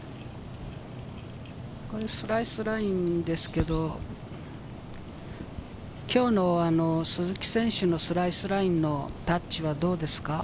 スライスラインですけれど、今日の鈴木選手のスライスラインのタッチはどうですか？